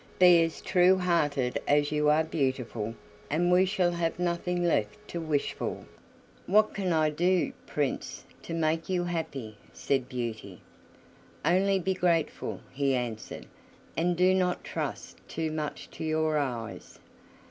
Be as true hearted as you are beautiful, and we shall have nothing left to wish for." "What can I do, Prince, to make you happy?" said Beauty. "Only be grateful," he answered, "and do not trust too much to your eyes.